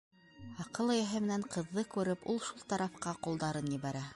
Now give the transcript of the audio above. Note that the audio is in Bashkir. Аҡыл эйәһе менән ҡыҙҙы күреп, ул шул тарафҡа ҡолдарын ебәрә.